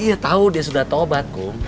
iya tau dia sudah tobat kum